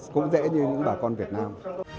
cũng dễ như những bà con việt nam